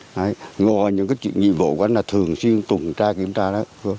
nhưng mà những cái chuyện nhiệm vụ của anh là thường xuyên tùm tra kiểm tra đó